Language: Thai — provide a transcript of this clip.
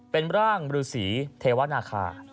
เป็นร่างบริษรีเทวานาคา